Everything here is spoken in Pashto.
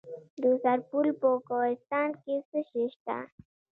د سرپل په کوهستان کې څه شی شته؟